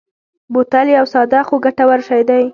بوتل یو ساده خو ګټور شی دی.